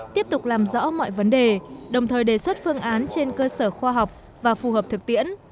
tiếp tục làm rõ mọi vấn đề đồng thời đề xuất phương án trên cơ sở khoa học và phù hợp thực tiễn